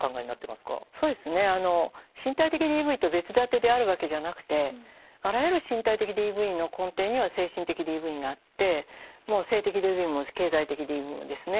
そうですね身体的ＤＶと別立てであるわけじゃなくてあらゆる身体的ＤＶの根底には精神的ＤＶがあってもう性的ＤＶも経済的ＤＶもですね。